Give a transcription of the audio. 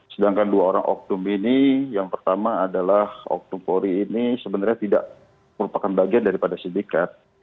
sedangkan dua orang oknum ini yang pertama adalah oknum polri ini sebenarnya tidak merupakan bagian daripada sindikat